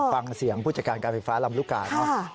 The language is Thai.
ฟังเสียงผู้จัดการการไฟฟ้าลำลูกกาเนอะ